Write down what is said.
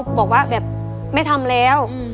บอกว่าแบบไม่ทำแล้ว